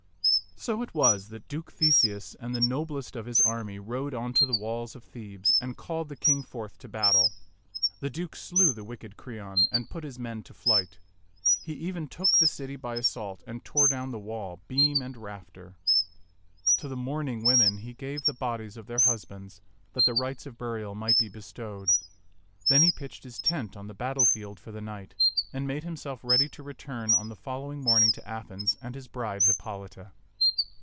So it was that Duke Theseus and the noblest of his army rode on to the walls of Thebes and called the king forth to battle. The Duke slew the wicked Creon and put his men to flight. He even took the city by assault and tore down the wall, beam and rafter. To t^t Mnxs^fs t<KU 23 the mourning women he gave the bodies of their hus bands, that the rites of burial might be bestowed. Then he pitched his tent on the battlefield for the night and made himself ready to return on the following morn ing to Athens and his bride Hippolita.